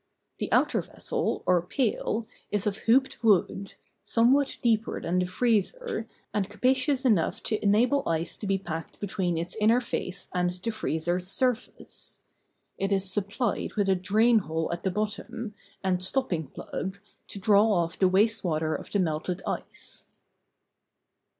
The outer vessel, or pail, is of hooped wood, somewhat deeper than the freezer, and capacious enough to enable ice to be packed between its inner face and the freezer's surface. It is supplied with a drain hole at the bottom, and stopping plug, to draw off the waste water of the melted ice.